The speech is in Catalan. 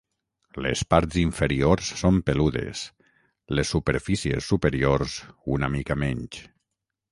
Les parts inferiors són peludes, les superfícies superiors una mica menys.